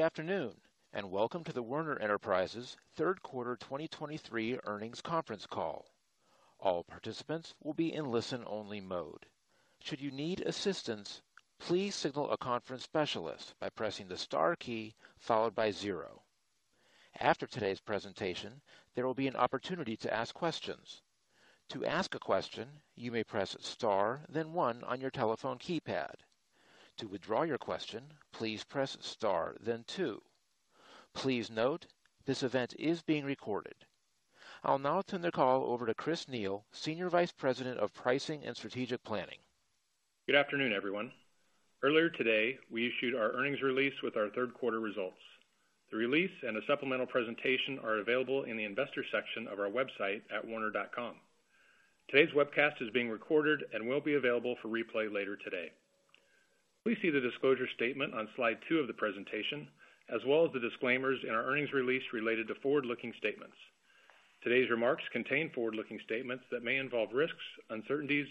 Good afternoon, and welcome to the Werner Enterprises third quarter 2023 earnings conference call. All participants will be in listen-only mode. Should you need assistance, please signal a conference specialist by pressing the Star key followed by zero. After today's presentation, there will be an opportunity to ask questions. To ask a question, you may press Star, then one on your telephone keypad. To withdraw your question, please press Star, then two. Please note, this event is being recorded. I'll now turn the call over to Chris Neal, Senior Vice President of Pricing and Strategic Planning. Good afternoon, everyone. Earlier today, we issued our earnings release with our third quarter results. The release and a supplemental presentation are available in the investor section of our website at werner.com. Today's webcast is being recorded and will be available for replay later today. Please see the disclosure statement on slide two of the presentation, as well as the disclaimers in our earnings release related to forward-looking statements. Today's remarks contain forward-looking statements that may involve risks, uncertainties,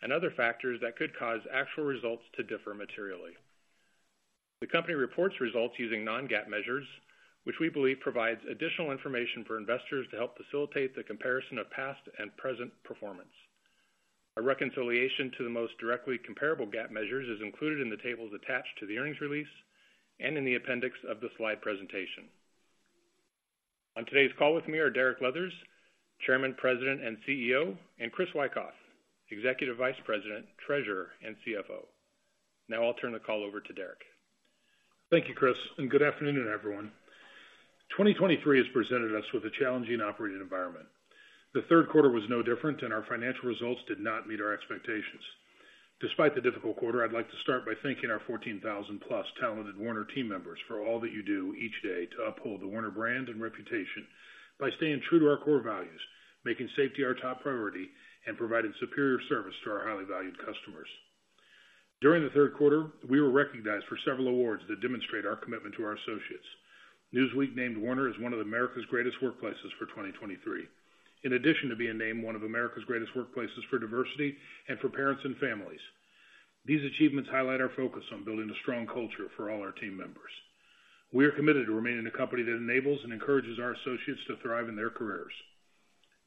and other factors that could cause actual results to differ materially. The company reports results using non-GAAP measures, which we believe provides additional information for investors to help facilitate the comparison of past and present performance. A reconciliation to the most directly comparable GAAP measures is included in the tables attached to the earnings release and in the appendix of the slide presentation. On today's call with me are Derek Leathers, Chairman, President, and CEO, and Chris Wikoff, Executive Vice President, Treasurer, and CFO. Now I'll turn the call over to Derek. Thank you, Chris, and good afternoon, everyone. 2023 has presented us with a challenging operating environment. The third quarter was no different, and our financial results did not meet our expectations. Despite the difficult quarter, I'd like to start by thanking our 14,000+ talented Werner team members for all that you do each day to uphold the Werner brand and reputation by staying true to our core values, making safety our top priority, and providing superior service to our highly valued customers. During the third quarter, we were recognized for several awards that demonstrate our commitment to our associates. Newsweek named Werner as one of America's Greatest Workplaces for 2023. In addition to being named one of America's Greatest Workplaces for Diversity and for Parents and Families. These achievements highlight our focus on building a strong culture for all our team members. We are committed to remaining a company that enables and encourages our associates to thrive in their careers.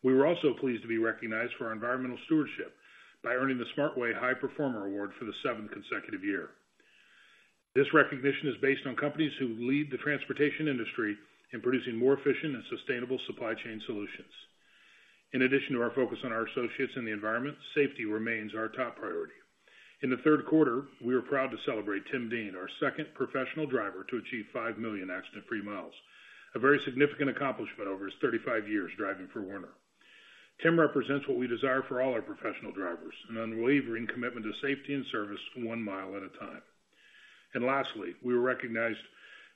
We were also pleased to be recognized for our environmental stewardship by earning the SmartWay High Performer Award for the seventh consecutive year. This recognition is based on companies who lead the transportation industry in producing more efficient and sustainable supply chain solutions. In addition to our focus on our associates and the environment, safety remains our top priority. In the third quarter, we are proud to celebrate Tim Dean, our second professional driver, to achieve 5 million accident-free mi, a very significant accomplishment over his 35 years driving for Werner. Tim represents what we desire for all our professional drivers, an unwavering commitment to safety and service one mile at a time. Lastly, we were recognized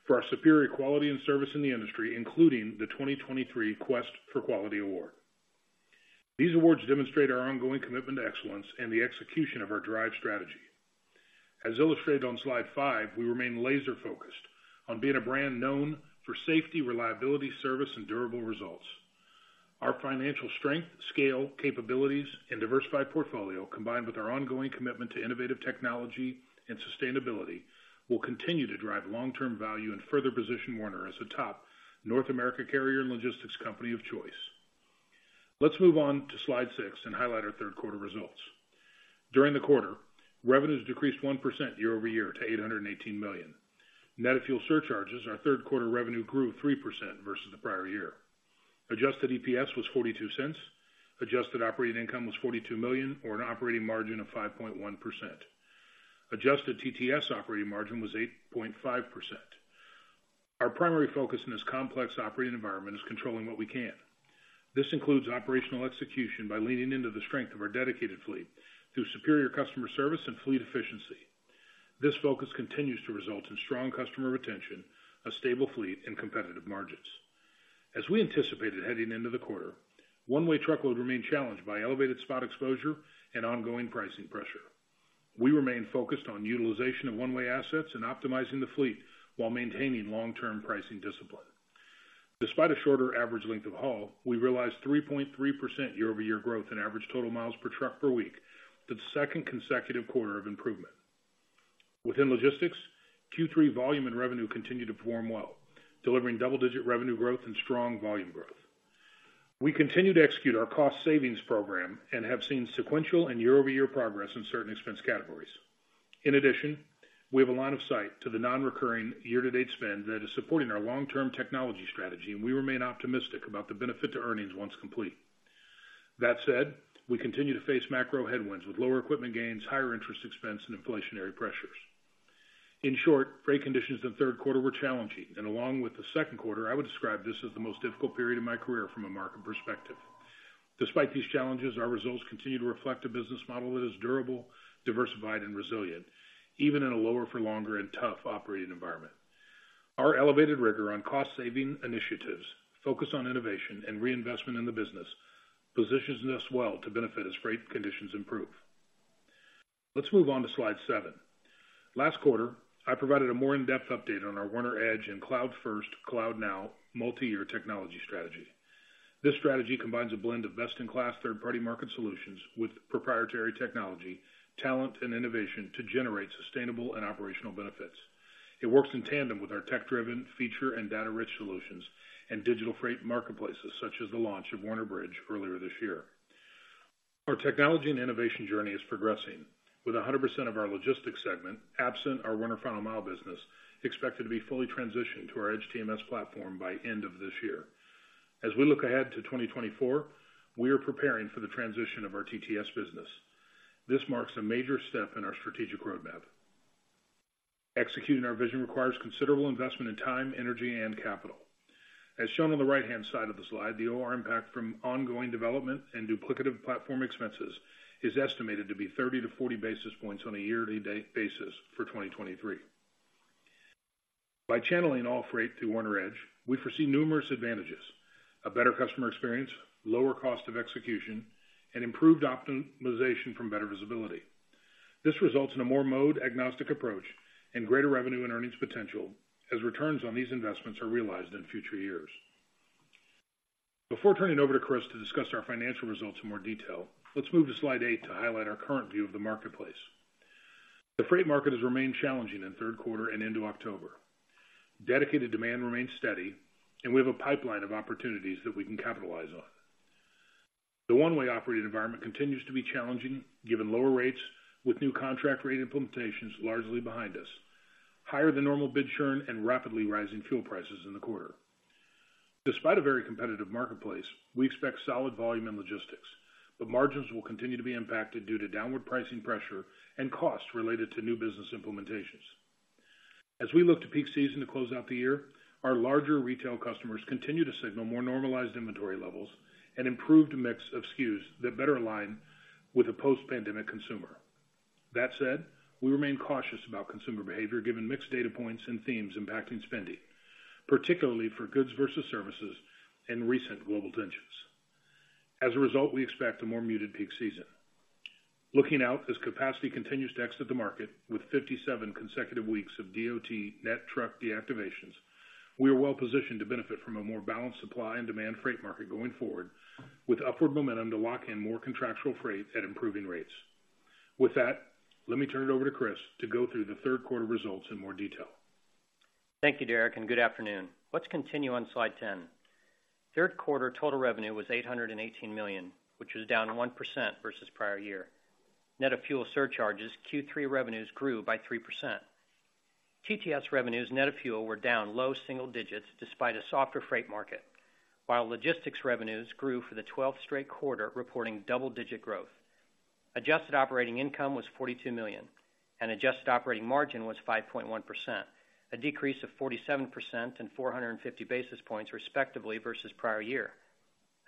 for our superior quality and service in the industry, including the 2023 Quest for Quality Award. These awards demonstrate our ongoing commitment to excellence and the execution of our DRIVE strategy. As illustrated on slide 5, we remain laser-focused on being a brand known for safety, reliability, service, and durable results. Our financial strength, scale, capabilities, and diversified portfolio, combined with our ongoing commitment to innovative technology and sustainability, will continue to drive long-term value and further position Werner as a top North American carrier and logistics company of choice. Let's move on to slide 6 and highlight our third quarter results. During the quarter, revenues decreased 1% year-over-year to $818 million. Net of fuel surcharges, our third quarter revenue grew 3% versus the prior year. Adjusted EPS was $0.42. Adjusted Operating Income was $42 million, or an operating margin of 5.1%. Adjusted TTS operating margin was 8.5%. Our primary focus in this complex operating environment is controlling what we can. This includes operational execution by leaning into the strength of our Dedicated fleet through superior customer service and fleet efficiency. This focus continues to result in strong customer retention, a stable fleet, and competitive margins. As we anticipated heading into the quarter, One-Way Truckload remained challenged by elevated spot exposure and ongoing pricing pressure. We remain focused on utilization of One-Way assets and optimizing the fleet while maintaining long-term pricing discipline. Despite a shorter average length of haul, we realized 3.3% year-over-year growth in average total miles per truck per week, the second consecutive quarter of improvement. Within logistics, Q3 volume and revenue continued to perform well, delivering double-digit revenue growth and strong volume growth. We continue to execute our cost savings program and have seen sequential and year-over-year progress in certain expense categories. In addition, we have a line of sight to the non-recurring year-to-date spend that is supporting our long-term technology strategy, and we remain optimistic about the benefit to earnings once complete. That said, we continue to face macro headwinds with lower equipment gains, higher interest expense, and inflationary pressures. In short, freight conditions in the third quarter were challenging, and along with the second quarter, I would describe this as the most difficult period in my career from a market perspective. Despite these challenges, our results continue to reflect a business model that is durable, diversified, and resilient, even in a lower for longer and tough operating environment. Our elevated rigor on cost-saving initiatives, focus on innovation, and reinvestment in the business positions us well to benefit as freight conditions improve. Let's move on to slide 7. Last quarter, I provided a more in-depth update on our Werner EDGE and Cloud First, Cloud Now multi-year technology strategy. This strategy combines a blend of best-in-class third-party market solutions with proprietary technology, talent, and innovation to generate sustainable and operational benefits. It works in tandem with our tech-driven feature and data-rich solutions and digital freight marketplaces, such as the launch of Werner Bridge earlier this year. Our technology and innovation journey is progressing, with 100% of our logistics segment, absent our Werner Final Mile business, expected to be fully transitioned to our EDGE TMS platform by end of this year. As we look ahead to 2024, we are preparing for the transition of our TTS business. This marks a major step in our strategic roadmap. Executing our vision requires considerable investment in time, energy, and capital. As shown on the right-hand side of the slide, the OR impact from ongoing development and duplicative platform expenses is estimated to be 30-40 basis points on a yearly basis for 2023. By channeling all freight through Werner EDGE, we foresee numerous advantages: a better customer experience, lower cost of execution, and improved optimization from better visibility. This results in a more mode-agnostic approach and greater revenue and earnings potential, as returns on these investments are realized in future years. Before turning it over to Chris to discuss our financial results in more detail, let's move to slide 8 to highlight our current view of the marketplace. The freight market has remained challenging in third quarter and into October. Dedicated demand remains steady, and we have a pipeline of opportunities that we can capitalize on. The One-Way operating environment continues to be challenging, given lower rates, with new contract rate implementations largely behind us, higher than normal bid churn, and rapidly rising fuel prices in the quarter. Despite a very competitive marketplace, we expect solid volume and logistics, but margins will continue to be impacted due to downward pricing pressure and costs related to new business implementations. As we look to peak season to close out the year, our larger retail customers continue to signal more normalized inventory levels and improved mix of SKUs that better align with a post-pandemic consumer. That said, we remain cautious about consumer behavior, given mixed data points and themes impacting spending, particularly for goods versus services and recent global tensions. As a result, we expect a more muted peak season. Looking out, as capacity continues to exit the market, with 57 consecutive weeks of DOT net truck deactivations, we are well positioned to benefit from a more balanced supply and demand freight market going forward, with upward momentum to lock in more contractual freight at improving rates. With that, let me turn it over to Chris to go through the third quarter results in more detail. Thank you, Derek, and good afternoon. Let's continue on slide 10. Third quarter total revenue was $818 million, which was down 1% versus prior year. Net of fuel surcharges, Q3 revenues grew by 3%. TTS revenues, net of fuel, were down low single digits despite a softer freight market, while logistics revenues grew for the 12th straight quarter, reporting double-digit growth. Adjusted operating income was $42 million, and adjusted operating margin was 5.1%, a decrease of 47% and 450 basis points, respectively, versus prior year.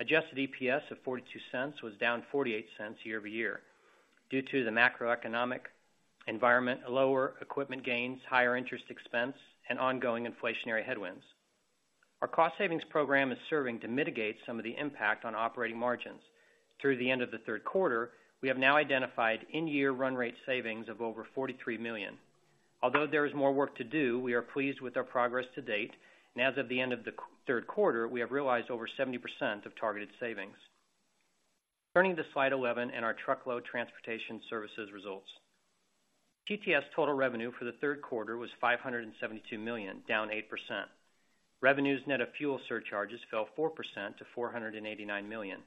Adjusted EPS of $0.42 was down $0.48 year-over-year due to the macroeconomic environment, lower equipment gains, higher interest expense, and ongoing inflationary headwinds. Our cost savings program is serving to mitigate some of the impact on operating margins. Through the end of the third quarter, we have now identified in-year run rate savings of over $43 million. Although there is more work to do, we are pleased with our progress to date, and as of the end of the third quarter, we have realized over 70% of targeted savings. Turning to slide 11 and our truckload transportation services results. TTS total revenue for the third quarter was $572 million, down 8%. Revenues net of fuel surcharges fell 4% to $489 million.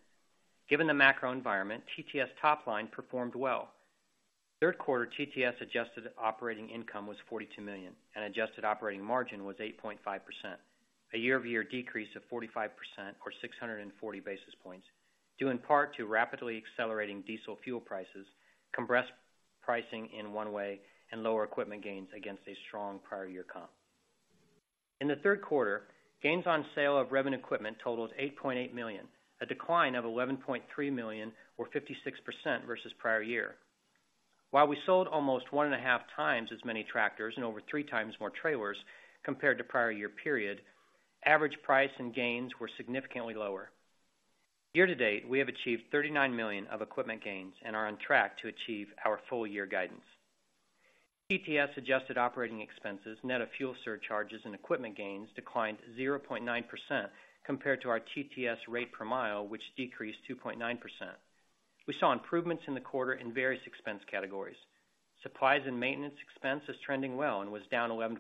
Given the macro environment, TTS top line performed well. Third quarter TTS adjusted operating income was $42 million, and adjusted operating margin was 8.5%, a year-over-year decrease of 45% or 640 basis points, due in part to rapidly accelerating diesel fuel prices, compressed pricing in One-Way, and lower equipment gains against a strong prior year comp. In the third quarter, gains on sale of revenue equipment totaled $8.8 million, a decline of $11.3 million, or 56%, versus prior year. While we sold almost 1.5 times as many tractors and over 3 times more trailers compared to prior year period, average price and gains were significantly lower. Year to date, we have achieved $39 million of equipment gains and are on track to achieve our full year guidance. TTS adjusted operating expenses, net of fuel surcharges and equipment gains, declined 0.9% compared to our TTS rate per mile, which decreased 2.9%. We saw improvements in the quarter in various expense categories. Supplies and maintenance expense is trending well and was down 11%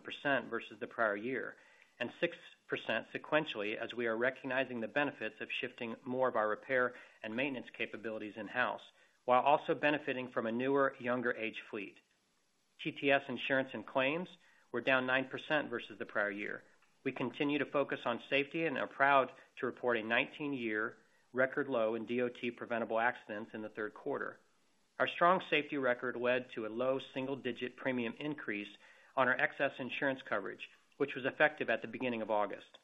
versus the prior year, and 6% sequentially, as we are recognizing the benefits of shifting more of our repair and maintenance capabilities in-house, while also benefiting from a newer, younger age fleet. TTS insurance and claims were down 9% versus the prior year. We continue to focus on safety and are proud to report a 19-year record low in DOT preventable accidents in the third quarter. Our strong safety record led to a low single-digit premium increase on our excess insurance coverage, which was effective at the beginning of August.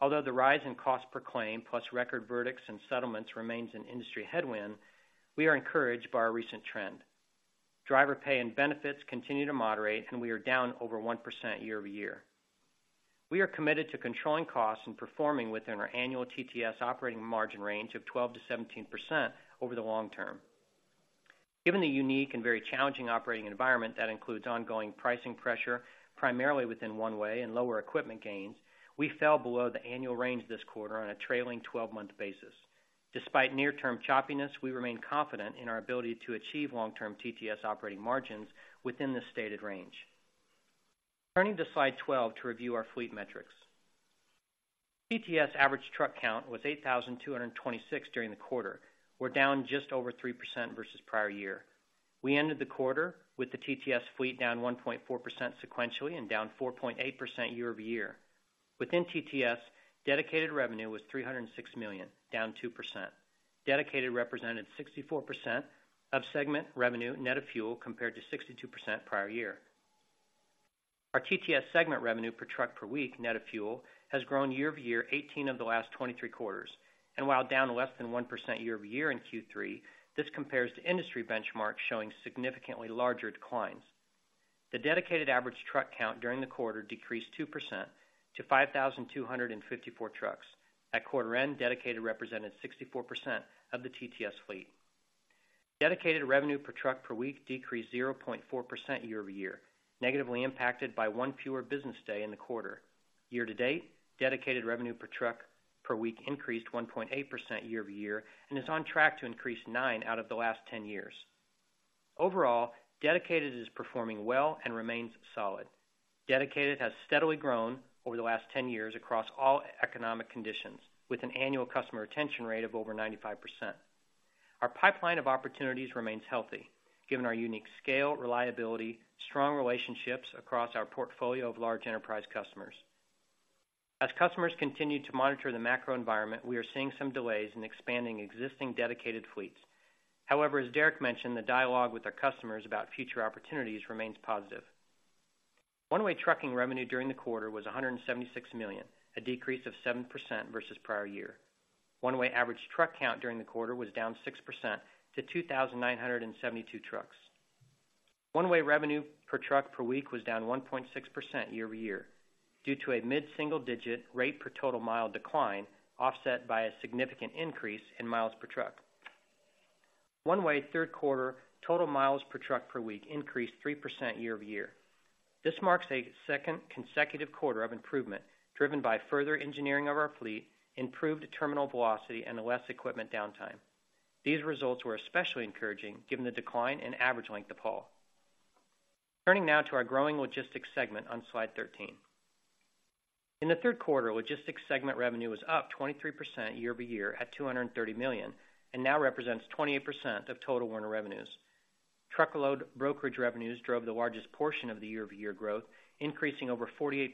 Although the rise in cost per claim, plus record verdicts and settlements remains an industry headwind, we are encouraged by our recent trend. Driver pay and benefits continue to moderate, and we are down over 1% year-over-year. We are committed to controlling costs and performing within our annual TTS operating margin range of 12%-17% over the long term. Given the unique and very challenging operating environment that includes ongoing pricing pressure, primarily within One-Way and lower equipment gains, we fell below the annual range this quarter on a trailing twelve-month basis. Despite near-term choppiness, we remain confident in our ability to achieve long-term TTS operating margins within the stated range. Turning to Slide 12 to review our fleet metrics. TTS average truck count was 8,226 during the quarter. We're down just over 3% versus prior year. We ended the quarter with the TTS fleet down 1.4% sequentially and down 4.8% year-over-year. Within TTS, Dedicated revenue was $306 million, down 2%. Dedicated represented 64% of segment revenue, net of fuel, compared to 62% prior year. Our TTS segment revenue per truck per week, net of fuel, has grown year-over-year, 18 of the last 23 quarters, and while down less than 1% year-over-year in Q3, this compares to industry benchmarks showing significantly larger declines. The Dedicated average truck count during the quarter decreased 2% to 5,254 trucks. At quarter end, Dedicated represented 64% of the TTS fleet. Dedicated revenue per truck per week decreased 0.4% year-over-year, negatively impacted by one fewer business day in the quarter. Year to date, Dedicated revenue per truck per week increased 1.8% year-over-year, and is on track to increase nine out of the last 10 years. Overall, Dedicated is performing well and remains solid. Dedicated has steadily grown over the last 10 years across all economic conditions, with an annual customer retention rate of over 95%. Our pipeline of opportunities remains healthy, given our unique scale, reliability, strong relationships across our portfolio of large enterprise customers. As customers continue to monitor the macro environment, we are seeing some delays in expanding existing Dedicated fleets. However, as Derek mentioned, the dialogue with our customers about future opportunities remains positive. One-Way trucking revenue during the quarter was $176 million, a decrease of 7% versus prior year. One-Way average truck count during the quarter was down 6% to 2,972 trucks. One-Way revenue per truck per week was down 1.6% year-over-year, due to a mid-single digit rate per total mile decline, offset by a significant increase in miles per truck. One-Way third quarter total miles per truck per week increased 3% year-over-year. This marks a second consecutive quarter of improvement, driven by further engineering of our fleet, improved terminal velocity, and less equipment downtime. These results were especially encouraging, given the decline in average length of haul. Turning now to our growing Logistics segment on Slide 13. In the third quarter, Logistics segment revenue was up 23% year-over-year, at $230 million, and now represents 28% of total Werner revenues. Truckload brokerage revenues drove the largest portion of the year-over-year growth, increasing over 48%,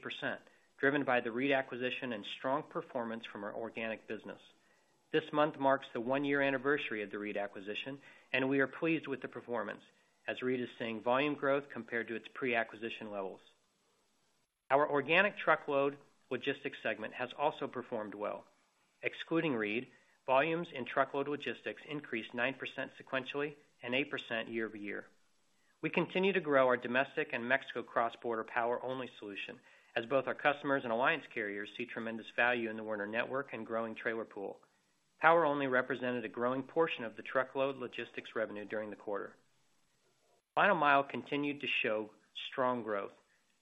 driven by the Reed acquisition and strong performance from our organic business. This month marks the one-year anniversary of the Reed acquisition, and we are pleased with the performance, as Reed is seeing volume growth compared to its pre-acquisition levels. Our organic truckload logistics segment has also performed well. Excluding Reed, volumes in truckload logistics increased 9% sequentially and 8% year-over-year. We continue to grow our domestic and Mexico cross-border power-only solution, as both our customers and alliance carriers see tremendous value in the Werner network and growing trailer pool. Power only represented a growing portion of the truckload logistics revenue during the quarter. Final mile continued to show strong growth,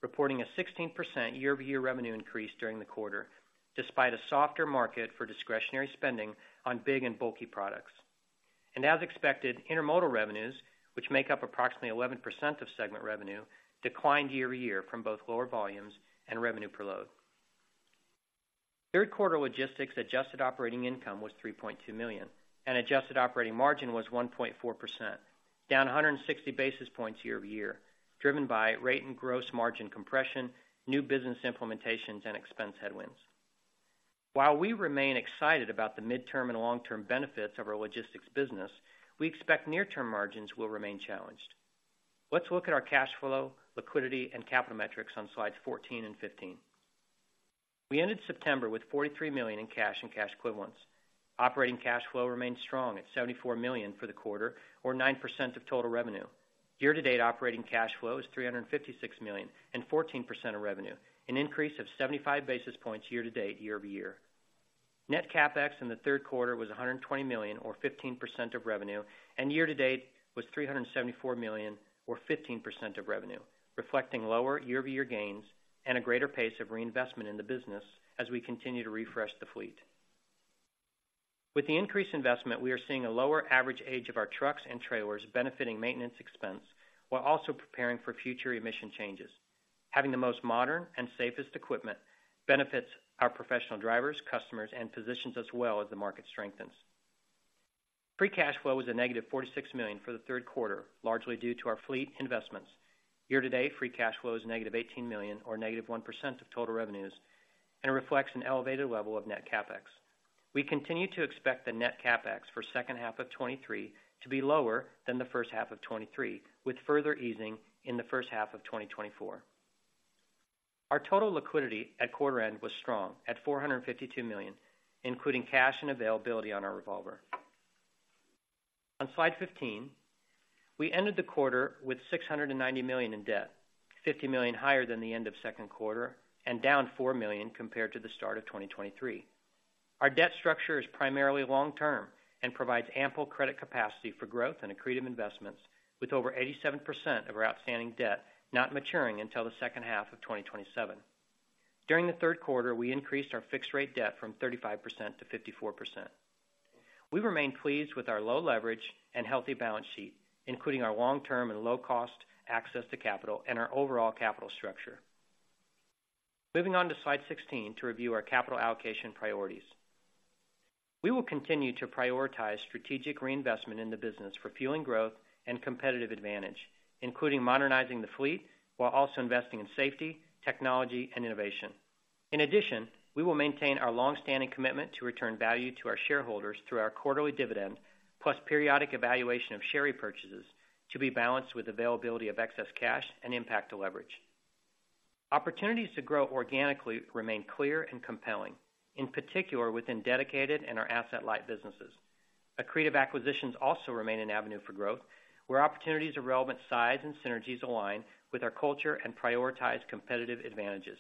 reporting a 16% year-over-year revenue increase during the quarter, despite a softer market for discretionary spending on big and bulky products. As expected, intermodal revenues, which make up approximately 11% of segment revenue, declined year-over-year from both lower volumes and revenue per load. Third quarter Logistics adjusted operating income was $3.2 million, and adjusted operating margin was 1.4%, down 160 basis points year-over-year, driven by rate and gross margin compression, new business implementations, and expense headwinds. While we remain excited about the midterm and long-term benefits of our Logistics business, we expect near-term margins will remain challenged. Let's look at our cash flow, liquidity, and capital metrics on Slides 14 and 15. We ended September with $43 million in cash and cash equivalents. Operating cash flow remained strong at $74 million for the quarter, or 9% of total revenue. Year to date, operating cash flow is $356 million and 14% of revenue, an increase of 75 basis points year to date, year-over-year. Net CapEx in the third quarter was $120 million, or 15% of revenue, and year to date was $374 million, or 15% of revenue, reflecting lower year-over-year gains and a greater pace of reinvestment in the business as we continue to refresh the fleet. With the increased investment, we are seeing a lower average age of our trucks and trailers, benefiting maintenance expense, while also preparing for future emission changes. Having the most modern and safest equipment benefits our professional drivers, customers, and positions us well as the market strengthens. Free cash flow was -$46 million for the third quarter, largely due to our fleet investments. Year to date, free cash flow is -$18 million, or -1% of total revenues, and reflects an elevated level of net CapEx. We continue to expect the net CapEx for second half of 2023 to be lower than the first half of 2023, with further easing in the first half of 2024. Our total liquidity at quarter end was strong at $452 million, including cash and availability on our revolver. On Slide 15, we ended the quarter with $690 million in debt, $50 million higher than the end of second quarter and down $4 million compared to the start of 2023. Our debt structure is primarily long-term and provides ample credit capacity for growth and accretive investments, with over 87% of our outstanding debt not maturing until the second half of 2027. During the third quarter, we increased our fixed-rate debt from 35% to 54%. We remain pleased with our low leverage and healthy balance sheet, including our long-term and low-cost access to capital and our overall capital structure. Moving on to slide 16 to review our capital allocation priorities. We will continue to prioritize strategic reinvestment in the business for fueling growth and competitive advantage, including modernizing the fleet, while also investing in safety, technology, and innovation. In addition, we will maintain our long-standing commitment to return value to our shareholders through our quarterly dividend, plus periodic evaluation of share repurchases to be balanced with availability of excess cash and impact to leverage. Opportunities to grow organically remain clear and compelling, in particular, within dedicated and our asset-light businesses. Accretive acquisitions also remain an avenue for growth, where opportunities of relevant size and synergies align with our culture and prioritized competitive advantages.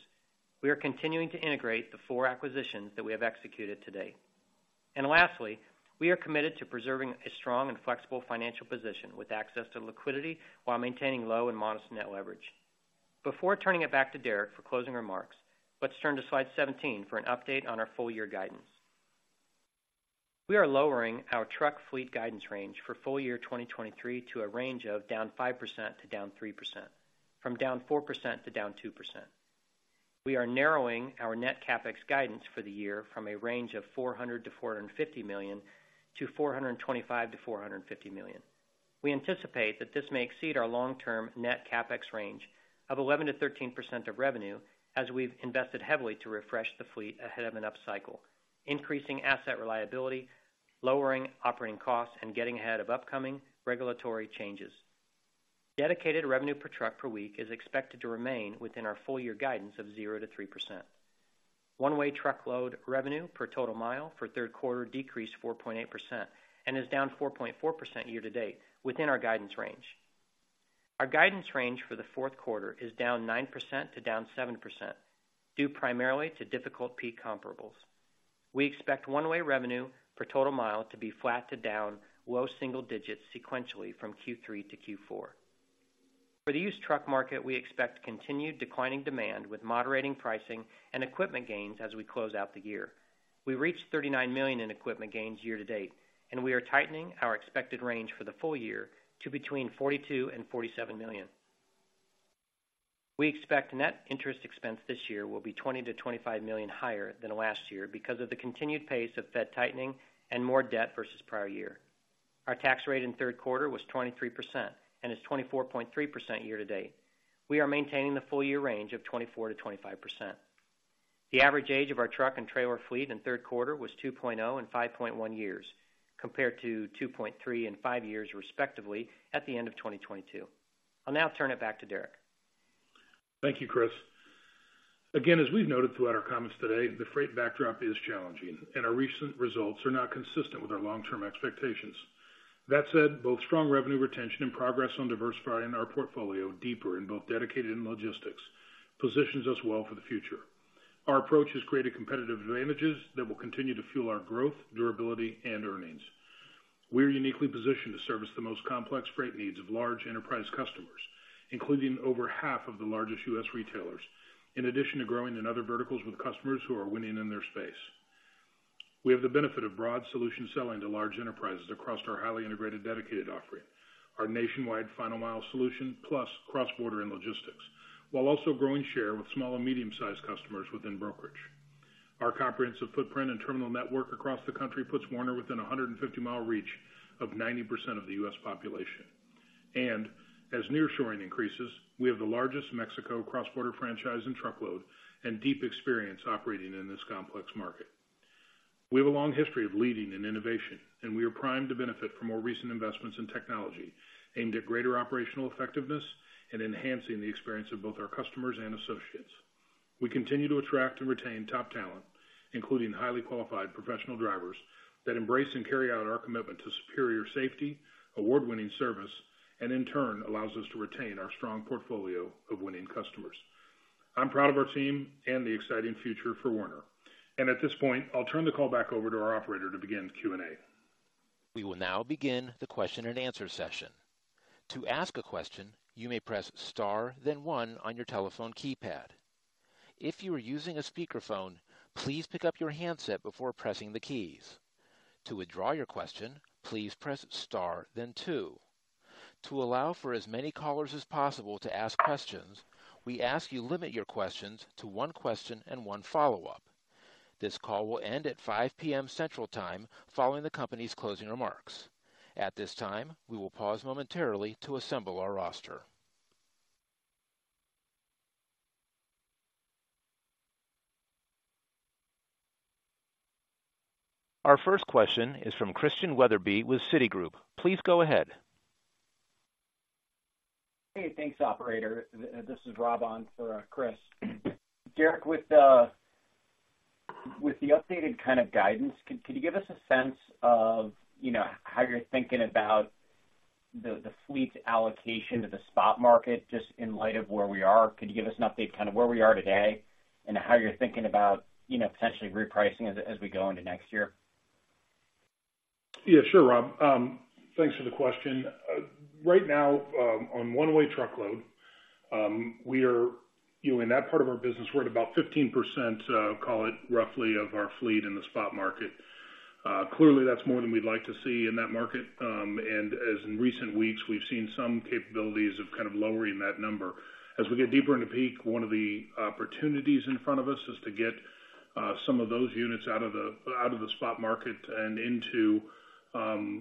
We are continuing to integrate the 4 acquisitions that we have executed to date. And lastly, we are committed to preserving a strong and flexible financial position with access to liquidity while maintaining low and modest net leverage. Before turning it back to Derek for closing remarks, let's turn to slide 17 for an update on our full year guidance. We are lowering our truck fleet guidance range for full year 2023 to a range of -5% to -3%, from -4% to -2%. We are narrowing our Net CapEx guidance for the year from a range of $400 million-$450 million to $425 million-$450 million. We anticipate that this may exceed our long-term Net CapEx range of 11%-13% of revenue, as we've invested heavily to refresh the fleet ahead of an upcycle, increasing asset reliability, lowering operating costs, and getting ahead of upcoming regulatory changes. Dedicated revenue per truck per week is expected to remain within our full year guidance of 0%-3%. One-Way Truckload revenue per total mile for third quarter decreased 4.8% and is down 4.4% year-to-date, within our guidance range. Our guidance range for the fourth quarter is down 9%-7%, due primarily to difficult peak comparables. We expect One-Way revenue per total mile to be flat to down, low single digits sequentially from Q3 to Q4. For the used truck market, we expect continued declining demand with moderating pricing and equipment gains as we close out the year. We reached $39 million in equipment gains year-to-date, and we are tightening our expected range for the full year to between $42 million and $47 million. We expect net interest expense this year will be $20 million-$25 million higher than last year because of the continued pace of Fed tightening and more debt versus prior year. Our tax rate in third quarter was 23% and is 24.3% year-to-date. We are maintaining the full year range of 24%-25%. The average age of our truck and trailer fleet in third quarter was 2.0 and 5.1 years, compared to 2.3 and 5 years, respectively, at the end of 2022. I'll now turn it back to Derek. Thank you, Chris. Again, as we've noted throughout our comments today, the freight backdrop is challenging, and our recent results are not consistent with our long-term expectations. That said, both strong revenue retention and progress on diversifying our portfolio deeper in both Dedicated and Logistics, positions us well for the future. Our approach has created competitive advantages that will continue to fuel our growth, durability, and earnings. We are uniquely positioned to service the most complex freight needs of large enterprise customers, including over half of the largest U.S. retailers, in addition to growing in other verticals with customers who are winning in their space. We have the benefit of broad solution selling to large enterprises across our highly integrated Dedicated offering, our nationwide final mile solution, plus cross-border and logistics, while also growing share with small and medium-sized customers within brokerage. Our comprehensive footprint and terminal network across the country puts Werner within a 150-mile reach of 90% of the U.S. population. As nearshoring increases, we have the largest Mexico cross-border franchise and truckload and deep experience operating in this complex market. We have a long history of leading in innovation, and we are primed to benefit from more recent investments in technology, aimed at greater operational effectiveness and enhancing the experience of both our customers and associates. We continue to attract and retain top talent, including highly qualified professional drivers, that embrace and carry out our commitment to superior safety, award-winning service, and in turn, allows us to retain our strong portfolio of winning customers. I'm proud of our team and the exciting future for Werner. At this point, I'll turn the call back over to our operator to begin the Q&A. We will now begin the question and answer session. To ask a question, you may press star, then one on your telephone keypad. If you are using a speakerphone, please pick up your handset before pressing the keys. To withdraw your question, please press star then two. To allow for as many callers as possible to ask questions, we ask you limit your questions to one question and one follow-up. This call will end at 5 P.M. Central Time, following the company's closing remarks. At this time, we will pause momentarily to assemble our roster. Our first question is from Christian Wetherbee with Citigroup. Please go ahead. Hey, thanks, operator. This is Rob on for Chris. Derek, with the updated kind of guidance, can you give us a sense of, you know, how you're thinking about... the fleet allocation to the spot market, just in light of where we are, could you give us an update, kind of where we are today, and how you're thinking about, you know, potentially repricing as we go into next year? Yeah, sure, Rob. Thanks for the question. Right now, on One-Way Truckload, we are, you know, in that part of our business, we're at about 15%, call it, roughly, of our fleet in the spot market. Clearly, that's more than we'd like to see in that market. And as in recent weeks, we've seen some capabilities of kind of lowering that number. As we get deeper into peak, one of the opportunities in front of us is to get some of those units out of the spot market and into, you know,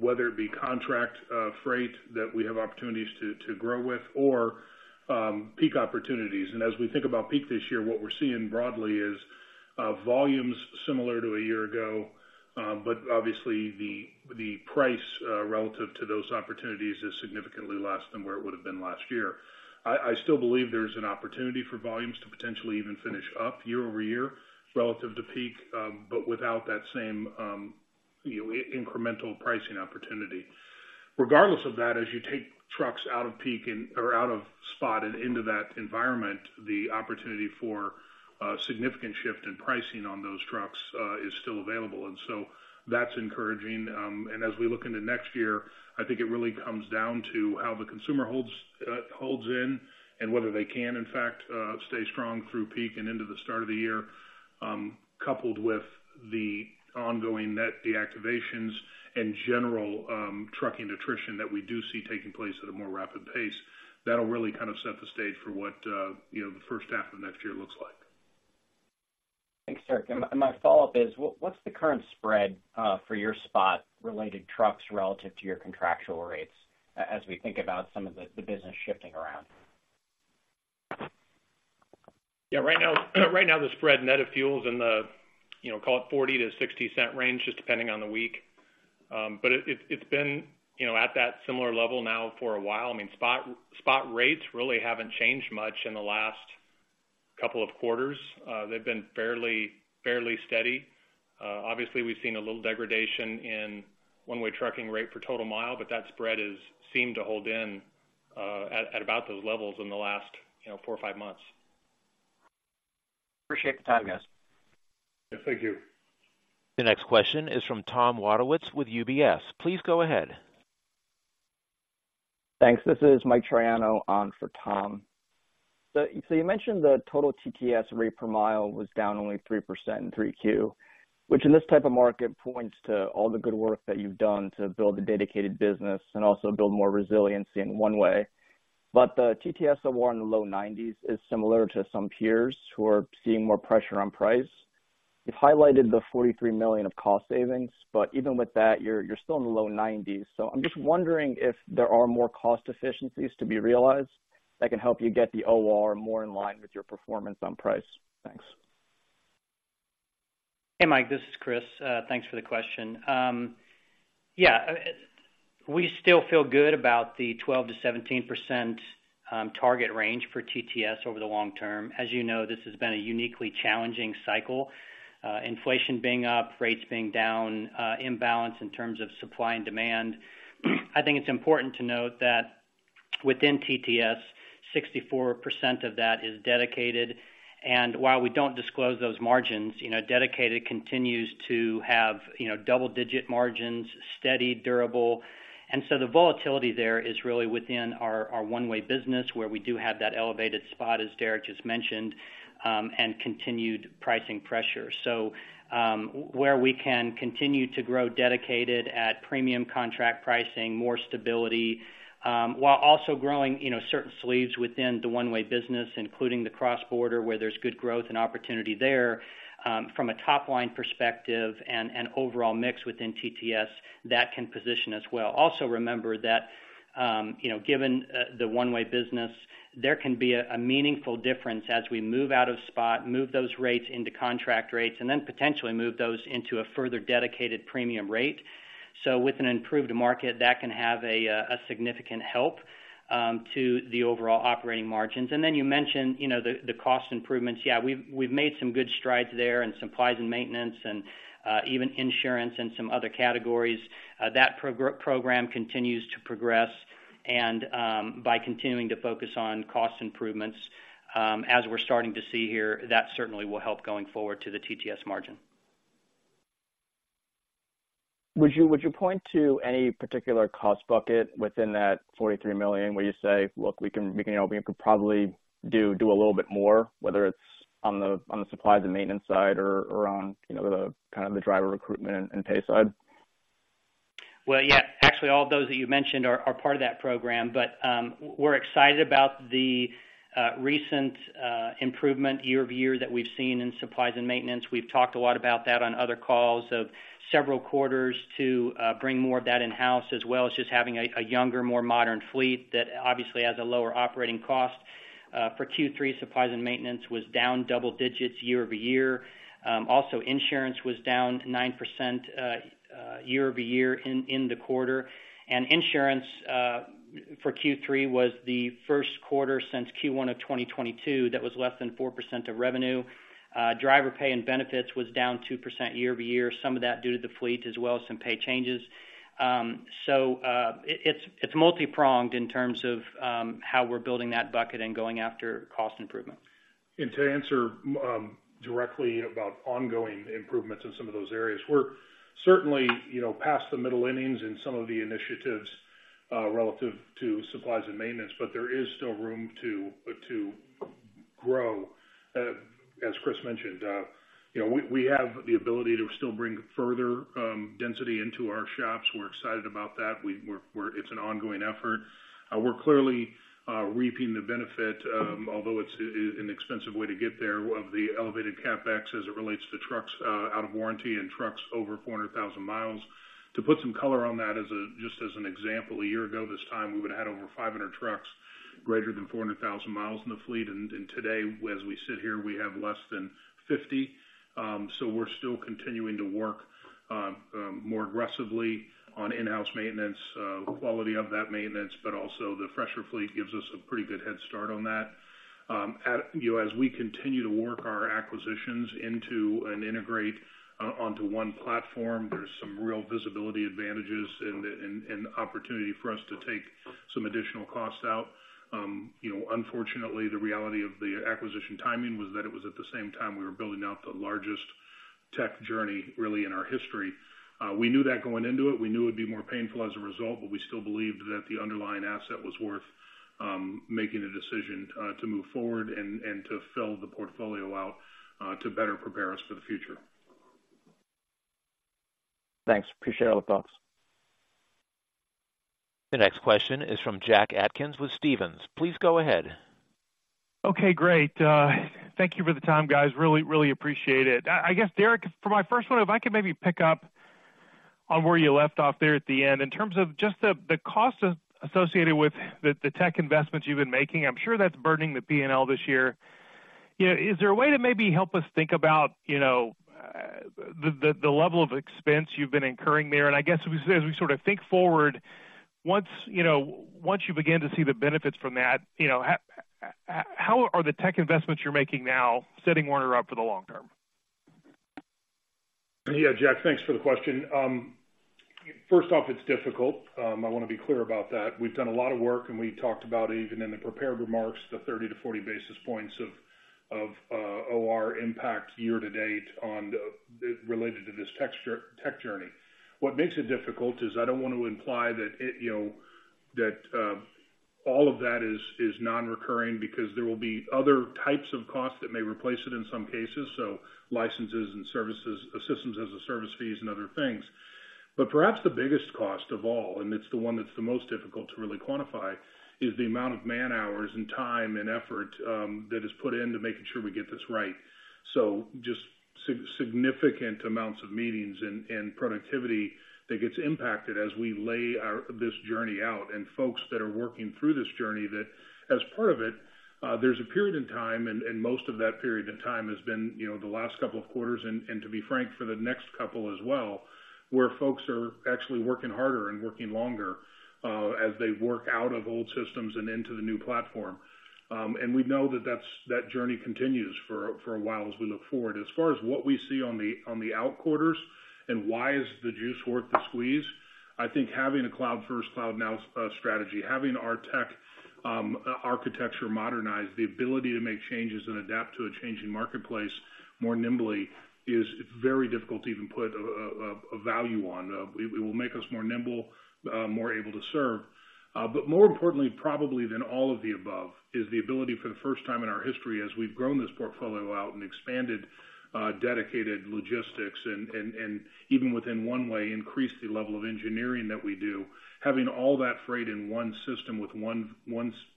whether it be contract freight that we have opportunities to grow with or peak opportunities. As we think about peak this year, what we're seeing broadly is volumes similar to a year ago, but obviously, the price relative to those opportunities is significantly less than where it would have been last year. I still believe there is an opportunity for volumes to potentially even finish up year-over-year relative to peak, but without that same, you know, incremental pricing opportunity. Regardless of that, as you take trucks out of peak and or out of spot and into that environment, the opportunity for significant shift in pricing on those trucks is still available. And so that's encouraging. As we look into next year, I think it really comes down to how the consumer holds in, and whether they can, in fact, stay strong through peak and into the start of the year, coupled with the ongoing net deactivations and general trucking attrition that we do see taking place at a more rapid pace. That'll really kind of set the stage for what you know, the first half of next year looks like. Thanks, Derek. And my follow-up is, what's the current spread for your spot-related trucks relative to your contractual rates, as we think about some of the business shifting around? Yeah. Right now, right now, the spread net of fuels in the, you know, call it 40-60 cent range, just depending on the week. But it's been, you know, at that similar level now for a while. I mean, spot rates really haven't changed much in the last couple of quarters. They've been fairly steady. Obviously, we've seen a little degradation in one-way trucking rate for total mile, but that spread has seemed to hold in, at about those levels in the last, you know, four or five months. Appreciate the time, guys. Yeah, thank you. The next question is from Tom Wadewitz with UBS. Please go ahead. Thanks. This is Mike Triano on for Tom. So, so you mentioned the total TTS rate per mile was down only 3% in Q3, which in this type of market, points to all the good work that you've done to build a Dedicated business and also build more resiliency in One-Way. But the TTS OR in the low 90s is similar to some peers who are seeing more pressure on price. You've highlighted the $43 million of cost savings, but even with that, you're, you're still in the low 90s. So I'm just wondering if there are more cost efficiencies to be realized that can help you get the OR more in line with your performance on price. Thanks. Hey, Mike, this is Chris. Thanks for the question. Yeah, we still feel good about the 12%-17% target range for TTS over the long term. As you know, this has been a uniquely challenging cycle, inflation being up, rates being down, imbalance in terms of supply and demand. I think it's important to note that within TTS, 64% of that is Dedicated, and while we don't disclose those margins, you know, Dedicated continues to have, you know, double-digit margins, steady, durable. And so the volatility there is really within our one-way business, where we do have that elevated spot, as Derek just mentioned, and continued pricing pressure. So, where we can continue to grow Dedicated at premium contract pricing, more stability, while also growing, you know, certain sleeves within the one-way business, including the cross-border, where there's good growth and opportunity there, from a top-line perspective and overall mix within TTS, that can position as well. Also, remember that, you know, given the one-way business, there can be a meaningful difference as we move out of spot, move those rates into contract rates, and then potentially move those into a further Dedicated premium rate. So with an improved market, that can have a significant help to the overall operating margins. And then you mentioned, you know, the cost improvements. Yeah, we've made some good strides there in supplies and maintenance and even insurance and some other categories. That program continues to progress. By continuing to focus on cost improvements, as we're starting to see here, that certainly will help going forward to the TTS margin. Would you point to any particular cost bucket within that $43 million, where you say: Look, we can, we could probably do a little bit more, whether it's on the supply and maintenance side or on, you know, the kind of the driver recruitment and pay side? Well, yeah, actually, all of those that you mentioned are, are part of that program. But, we're excited about the recent improvement year over year that we've seen in supplies and maintenance. We've talked a lot about that on other calls of several quarters to bring more of that in-house, as well as just having a younger, more modern fleet that obviously has a lower operating cost. For Q3, supplies and maintenance was down double digits year over year. Also, insurance was down 9% year over year in the quarter. And insurance for Q3 was the first quarter since Q1 of 2022 that was less than 4% of revenue. Driver pay and benefits was down 2% year over year, some of that due to the fleet as well as some pay changes. So, it's multipronged in terms of how we're building that bucket and going after cost improvements. And to answer directly about ongoing improvements in some of those areas, we're certainly, you know, past the middle innings in some of the initiatives relative to supplies and maintenance, but there is still room to grow. As Chris mentioned, you know, we have the ability to still bring further density into our shops. We're excited about that. We're, it's an ongoing effort. We're clearly reaping the benefit, although it's an expensive way to get there, of the elevated CapEx as it relates to trucks out of warranty and trucks over 400,000 mi. To put some color on that, just as an example, a year ago, this time, we would have had over 500 trucks greater than 400,000 mi in the fleet, and today, as we sit here, we have less than 50. So we're still continuing to work more aggressively on in-house maintenance, quality of that maintenance, but also the fresher fleet gives us a pretty good head start on that. You know, as we continue to work our acquisitions into and integrate onto one platform, there's some real visibility advantages and opportunity for us to take some additional costs out. You know, unfortunately, the reality of the acquisition timing was that it was at the same time we were building out the largest tech journey, really, in our history. We knew that going into it, we knew it would be more painful as a result, but we still believed that the underlying asset was worth making a decision to move forward and to fill the portfolio out to better prepare us for the future. Thanks. Appreciate all the thoughts. The next question is from Jack Atkins with Stephens. Please go ahead. Okay, great. Thank you for the time, guys. Really, really appreciate it. I guess, Derek, for my first one, if I could maybe pick up on where you left off there at the end. In terms of just the cost associated with the tech investments you've been making, I'm sure that's burning the PNL this year. You know, is there a way to maybe help us think about, you know, the level of expense you've been incurring there? And I guess, as we sort of think forward, once you begin to see the benefits from that, you know, how are the tech investments you're making now setting Werner up for the long term? Yeah, Jack, thanks for the question. First off, it's difficult. I want to be clear about that. We've done a lot of work, and we talked about, even in the prepared remarks, the 30-40 basis points of OR impact year to date related to this tech journey. What makes it difficult is I don't want to imply that it, you know, all of that is nonrecurring because there will be other types of costs that may replace it in some cases, so licenses and services, systems as a service fees and other things. But perhaps the biggest cost of all, and it's the one that's the most difficult to really quantify, is the amount of man hours and time and effort that is put in to making sure we get this right. So just significant amounts of meetings and productivity that gets impacted as we lay out this journey, and folks that are working through this journey, that as part of it, there's a period in time, and most of that period in time has been, you know, the last couple of quarters, and to be frank, for the next couple as well, where folks are actually working harder and working longer, as they work out of old systems and into the new platform. And we know that that's that journey continues for a while as we look forward. As far as what we see on the outer quarters and why is the juice worth the squeeze? I think having a Cloud First, Cloud Now strategy, having our tech architecture modernized, the ability to make changes and adapt to a changing marketplace more nimbly, is very difficult to even put a value on. It will make us more nimble, more able to serve. But more importantly, probably, than all of the above is the ability for the first time in our history as we've grown this portfolio out and expanded, Dedicated logistics and even within One-Way, increased the level of engineering that we do, having all that freight in one system with one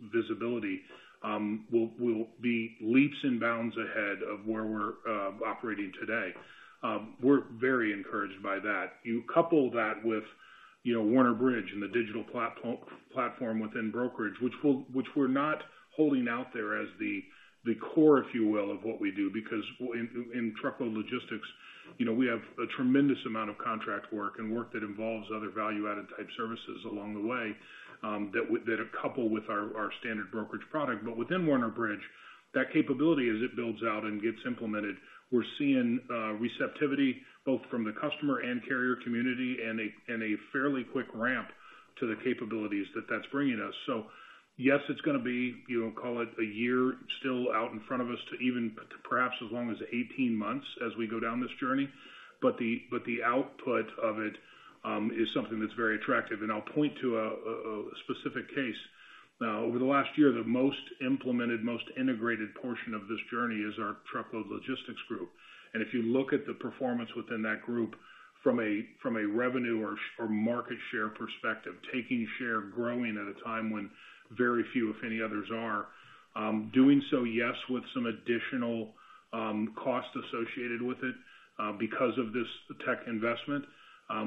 visibility, will be leaps and bounds ahead of where we're operating today. We're very encouraged by that. You couple that with, you know, Werner Bridge and the digital platform within brokerage, which we're not holding out there as the core, if you will, of what we do, because in truckload logistics, you know, we have a tremendous amount of contract work and work that involves other value-added type services along the way, that are coupled with our standard brokerage product. But within Werner Bridge, that capability, as it builds out and gets implemented, we're seeing receptivity both from the customer and carrier community and a fairly quick ramp to the capabilities that that's bringing us. So yes, it's going to be, you know, call it a year still out in front of us to even perhaps as long as 18 months as we go down this journey, but the output of it is something that's very attractive. And I'll point to a specific case. Now, over the last year, the most implemented, most integrated portion of this journey is our truckload logistics group. And if you look at the performance within that group from a revenue or market share perspective, taking share, growing at a time when very few, if any, others are doing so, yes, with some additional cost associated with it, because of this tech investment,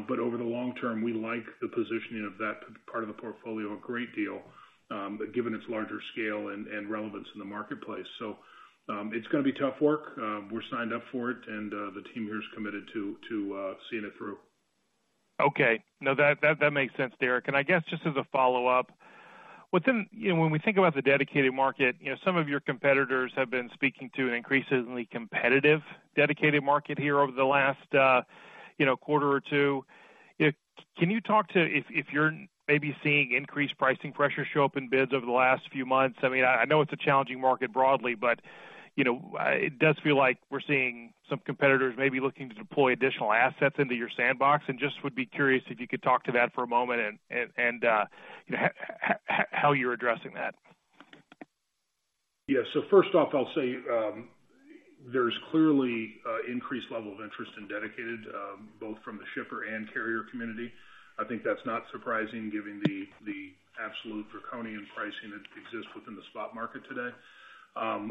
but over the long term, we like the positioning of that part of the portfolio a great deal, but given its larger scale and relevance in the marketplace. So, it's going to be tough work. We're signed up for it, and the team here is committed to seeing it through. Okay. No, that makes sense, Derek. I guess just as a follow-up, when we think about the dedicated market, you know, some of your competitors have been speaking to an increasingly competitive dedicated market here over the last quarter or two. Can you talk to if you're maybe seeing increased pricing pressure show up in bids over the last few months? I mean, I know it's a challenging market broadly, but, you know, it does feel like we're seeing some competitors maybe looking to deploy additional assets into your sandbox, and just would be curious if you could talk to that for a moment, and how you're addressing that. Yeah. So first off, I'll say, there's clearly an increased level of in Dedicated, both from the shipper and carrier community. I think that's not surprising given the absolute Draconian pricing that exists within the spot market today.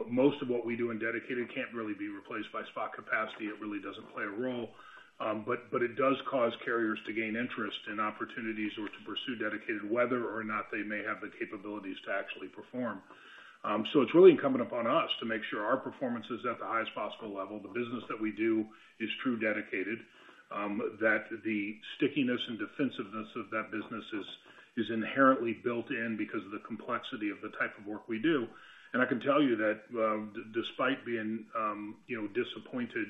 Most of what we do in Dedicated can't really be replaced by spot capacity. It really doesn't play a role. But it does cause carriers to gain interest in opportunities or to pursue Dedicated, whether or not they may have the capabilities to actually perform. So it's really incumbent upon us to make sure our performance is at the highest possible level, the business that we do is true Dedicated, that the stickiness and defensiveness of that business is inherently built in because of the complexity of the type of work we do. I can tell you that, despite being, you know, disappointed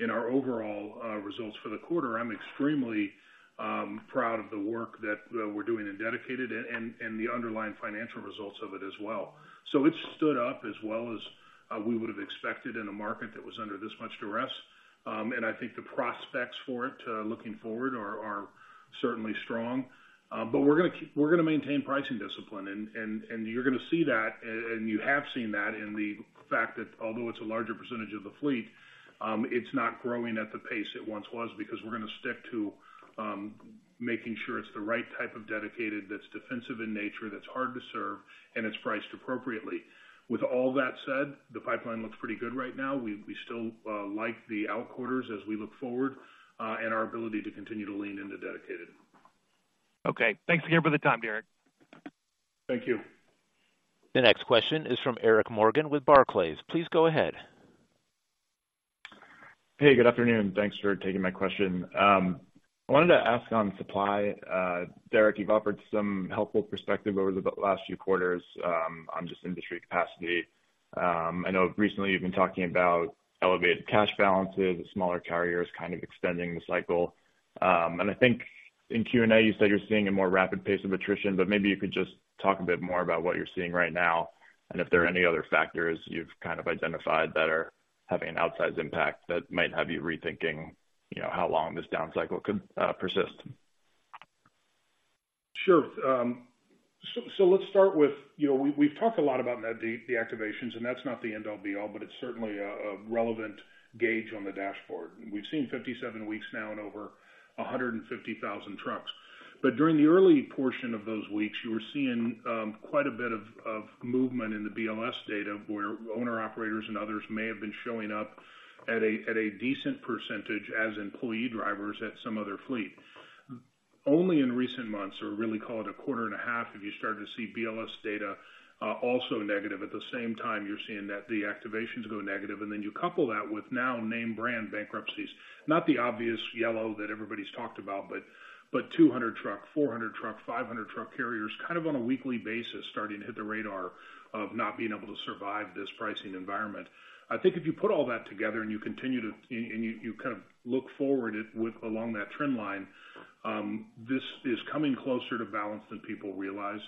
in our overall results for the quarter, I'm extremely proud of the work that we're doing in Dedicated and the underlying financial results of it as well. So it's stood up as well as we would have expected in a market that was under this much duress. And I think the prospects for it, looking forward, are certainly strong. But we're gonna maintain pricing discipline, and you're gonna see that, and you have seen that in the fact that although it's a larger percentage of the fleet, it's not growing at the pace it once was, because we're gonna stick to making sure it's the right type of Dedicated that's defensive in nature, that's hard to serve, and it's priced appropriately. With all that said, the pipeline looks pretty good right now. We still like the outer quarters as we look forward, and our ability to continue to lean into Dedicated. Okay. Thanks again for the time, Derek. Thank you. The next question is from Eric Morgan with Barclays. Please go ahead. Hey, good afternoon. Thanks for taking my question. I wanted to ask on supply, Derek, you've offered some helpful perspective over the last few quarters, on just industry capacity. I know recently you've been talking about elevated cash balances, smaller carriers kind of extending the cycle. I think in Q&A, you said you're seeing a more rapid pace of attrition, but maybe you could just talk a bit more about what you're seeing right now, and if there are any other factors you've kind of identified that are having an outsized impact that might have you rethinking, you know, how long this down cycle could persist. Sure. So let's start with, you know, we, we've talked a lot about the deactivations, and that's not the end-all be-all, but it's certainly a relevant gauge on the dashboard. We've seen 57 weeks now and over 150,000 trucks. But during the early portion of those weeks, you were seeing quite a bit of movement in the BLS data, where owner-operators and others may have been showing up at a decent percentage as employee drivers at some other fleet. Only in recent months, or really call it a quarter and a half, have you started to see BLS data also negative. At the same time, you're seeing that the activations go negative, and then you couple that with now name brand bankruptcies, not the obvious Yellow that everybody's talked about, but, but 200-truck, 400-truck, 500-truck carriers, kind of on a weekly basis, starting to hit the radar of not being able to survive this pricing environment. I think if you put all that together and you continue to and you, you kind of look forward it with, along that trend line, this is coming closer to balance than people realize.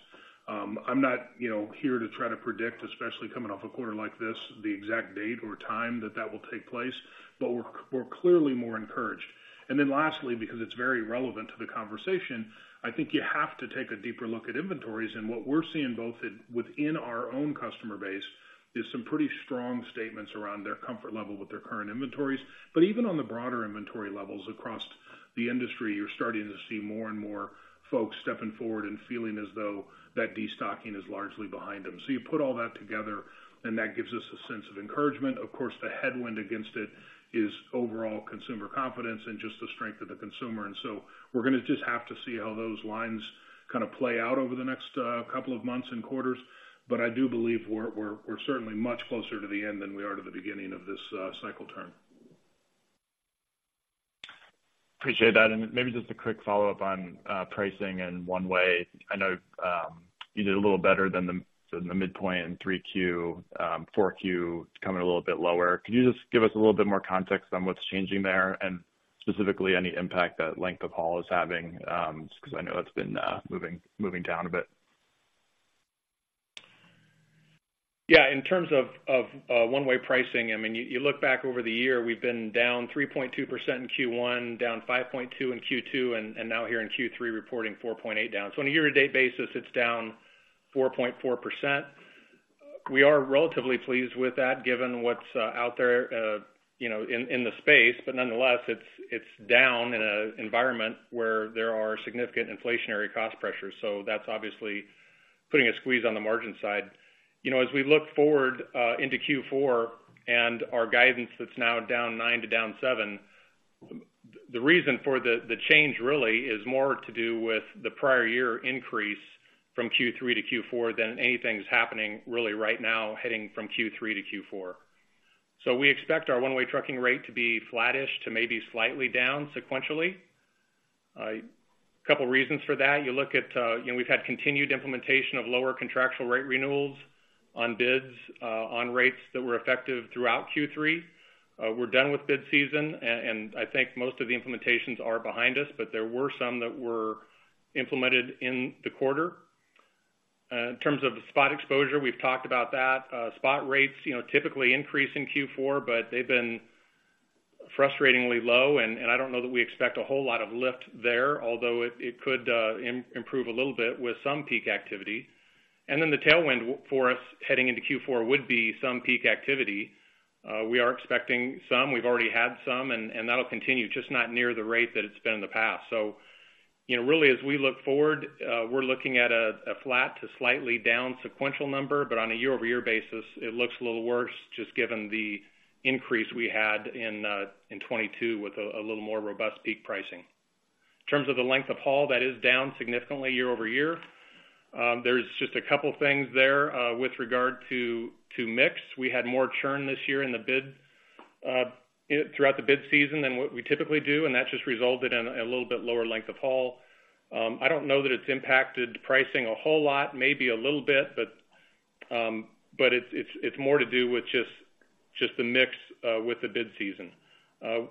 I'm not, you know, here to try to predict, especially coming off a quarter like this, the exact date or time that that will take place, but we're, we're clearly more encouraged. And then lastly, because it's very relevant to the conversation, I think you have to take a deeper look at inventories. And what we're seeing both at, within our own customer base, is some pretty strong statements around their comfort level with their current inventories. But even on the broader inventory levels across the industry, you're starting to see more and more folks stepping forward and feeling as though that destocking is largely behind them. So you put all that together, and that gives us a sense of encouragement. Of course, the headwind against it is overall consumer confidence and just the strength of the consumer. And so we're gonna just have to see how those lines kind of play out over the next couple of months and quarters. But I do believe we're certainly much closer to the end than we are to the beginning of this cycle turn. Appreciate that. And maybe just a quick follow-up on pricing and one-way. I know you did a little better than the midpoint in 3Q. 4Q, it's coming a little bit lower. Could you just give us a little bit more context on what's changing there, and specifically, any impact that length of haul is having? Because I know that's been moving down a bit. Yeah, in terms of one-way pricing, I mean, you look back over the year, we've been down 3.2% in Q1, down 5.2% in Q2, and now here in Q3, reporting 4.8% down. So on a year-to-date basis, it's down 4.4%. We are relatively pleased with that, given what's out there, you know, in the space, but nonetheless, it's down in an environment where there are significant inflationary cost pressures. So that's obviously putting a squeeze on the margin side. You know, as we look forward into Q4 and our guidance that's now down 9%-7%, the reason for the change really is more to do with the prior year increase from Q3 to Q4 than anything that's happening really right now, hitting from Q3 to Q4.... So we expect our one-way trucking rate to be flattish to maybe slightly down sequentially. Couple reasons for that. You look at, you know, we've had continued implementation of lower contractual rate renewals on bids, on rates that were effective throughout Q3. We're done with bid season, and I think most of the implementations are behind us, but there were some that were implemented in the quarter. In terms of the spot exposure, we've talked about that. Spot rates, you know, typically increase in Q4, but they've been frustratingly low, and I don't know that we expect a whole lot of lift there, although it could improve a little bit with some peak activity. And then the tailwind for us heading into Q4 would be some peak activity. We are expecting some, we've already had some, and that'll continue, just not near the rate that it's been in the past. So, you know, really, as we look forward, we're looking at a flat to slightly down sequential number, but on a year-over-year basis, it looks a little worse, just given the increase we had in 2022 with a little more robust peak pricing. In terms of the length of haul, that is down significantly year-over-year. There's just a couple things there with regard to mix. We had more churn this year in the bid throughout the bid season than what we typically do, and that just resulted in a little bit lower length of haul. I don't know that it's impacted pricing a whole lot, maybe a little bit, but it's more to do with just the mix with the bid season.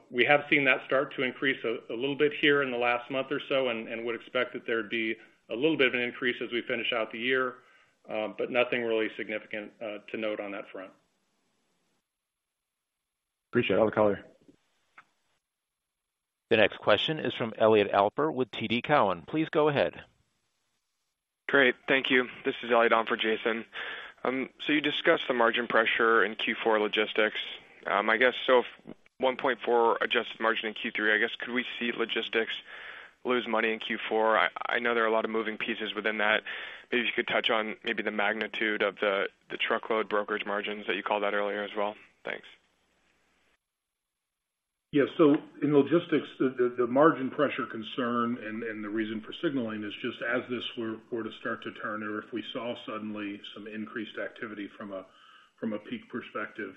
We have seen that start to increase a little bit here in the last month or so, and would expect that there'd be a little bit of an increase as we finish out the year, but nothing really significant to note on that front. Appreciate all the color. The next question is from Elliot Alper with TD Cowen. Please go ahead. Great, thank you. This is Elliot on for Jason. So you discussed the margin pressure in Q4 logistics. I guess, so 1.4 adjusted margin in Q3, I guess, could we see logistics lose money in Q4? I, I know there are a lot of moving pieces within that. Maybe if you could touch on maybe the magnitude of the, the truckload brokerage margins that you called out earlier as well. Thanks. Yeah, so in logistics, the margin pressure concern and the reason for signaling is just as this were to start to turn, or if we saw suddenly some increased activity from a peak perspective,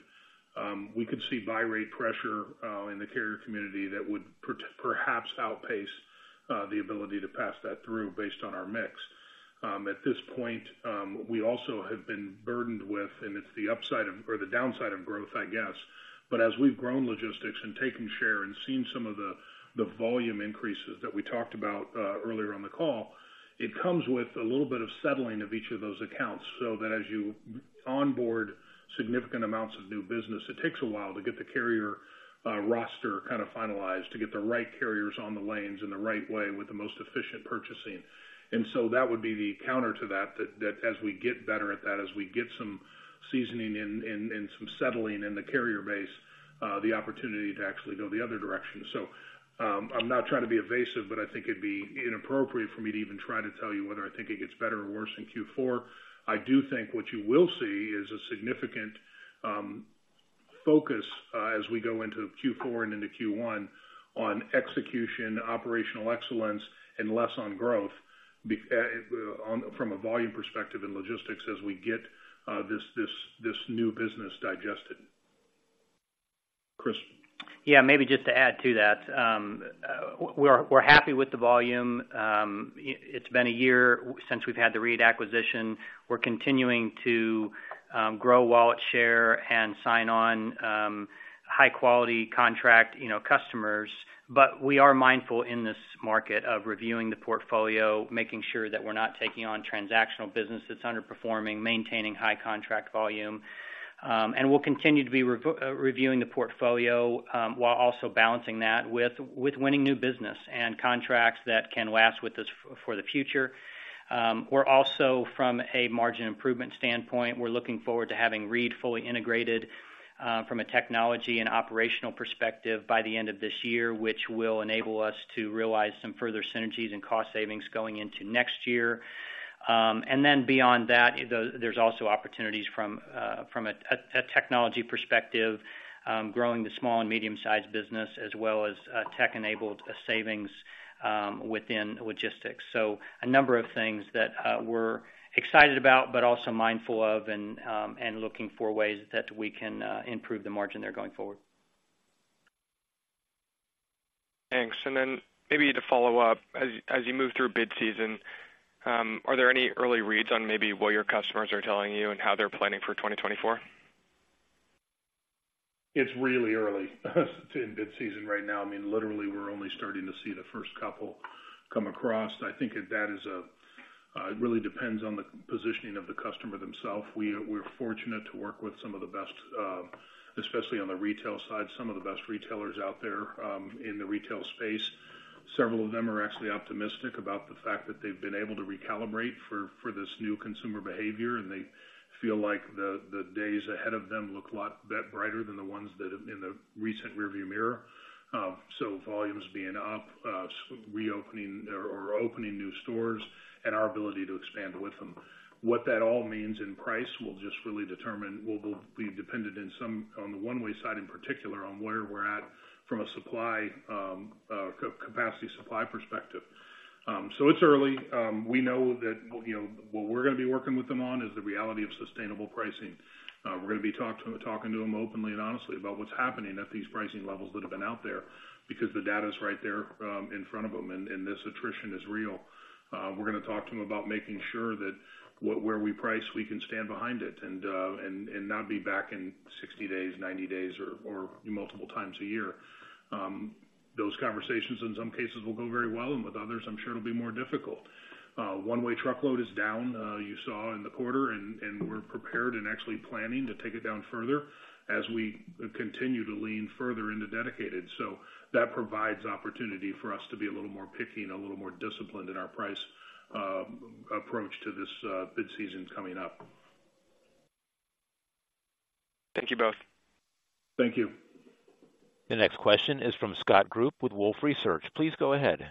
we could see buy rate pressure in the carrier community that would perhaps outpace the ability to pass that through based on our mix. At this point, we also have been burdened with, and it's the upside of, or the downside of growth, I guess. But as we've grown logistics and taken share and seen some of the volume increases that we talked about earlier on the call, it comes with a little bit of settling of each of those accounts, so that as you onboard significant amounts of new business, it takes a while to get the carrier roster kind of finalized, to get the right carriers on the lanes in the right way with the most efficient purchasing. And so that would be the counter to that, as we get better at that, as we get some seasoning and some settling in the carrier base, the opportunity to actually go the other direction. So, I'm not trying to be evasive, but I think it'd be inappropriate for me to even try to tell you whether I think it gets better or worse in Q4. I do think what you will see is a significant focus as we go into Q4 and into Q1, on execution, operational excellence, and less on growth, on, from a volume perspective in logistics as we get this new business digested. Chris? Yeah, maybe just to add to that, we're happy with the volume. It's been a year since we've had the Reed acquisition. We're continuing to grow wallet share and sign on high-quality contract, you know, customers. But we are mindful in this market of reviewing the portfolio, making sure that we're not taking on transactional business that's underperforming, maintaining high contract volume. And we'll continue to review the portfolio while also balancing that with winning new business and contracts that can last with us for the future. We're also, from a margin improvement standpoint, we're looking forward to having Reed fully integrated from a technology and operational perspective by the end of this year, which will enable us to realize some further synergies and cost savings going into next year. And then beyond that, there's also opportunities from a technology perspective, growing the small and medium-sized business, as well as tech-enabled savings within logistics. So a number of things that we're excited about, but also mindful of and looking for ways that we can improve the margin there going forward. Thanks. And then maybe to follow up, as you move through bid season, are there any early reads on maybe what your customers are telling you and how they're planning for 2024? It's really early in bid season right now. I mean, literally, we're only starting to see the first couple come across. I think that that is it really depends on the positioning of the customer themselves. We, we're fortunate to work with some of the best, especially on the retail side, some of the best retailers out there, in the retail space. Several of them are actually optimistic about the fact that they've been able to recalibrate for, for this new consumer behavior, and they feel like the, the days ahead of them look a lot bit brighter than the ones that have in the recent rearview mirror. So volumes being up, reopening or opening new stores and our ability to expand with them. What that all means in price will just really determine will be dependent in some, on the One-Way side, in particular, on where we're at from a supply capacity supply perspective. So it's early. We know that, you know, what we're gonna be working with them on is the reality of sustainable pricing. We're gonna be talking to them openly and honestly about what's happening at these pricing levels that have been out there, because the data is right there in front of them, and this attrition is real. We're gonna talk to them about making sure that where we price, we can stand behind it, and not be back in 60 days, 90 days, or multiple times a year. Those conversations, in some cases, will go very well, and with others, I'm sure it'll be more difficult. One-Way Truckload is down, you saw in the quarter, and we're prepared and actually planning to take it down further as we continue to lean further into Dedicated. So that provides opportunity for us to be a little more picky and a little more disciplined in our price approach to this bid season coming up. Thank you, both. Thank you. The next question is from Scott Group with Wolfe Research. Please go ahead.